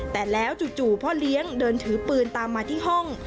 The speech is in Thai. แต่แล้วจู่พ่อเลี้ยงเดินถือปืนตามมาที่ห้อง